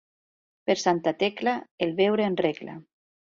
Per Santa Tecla, el beure en regla.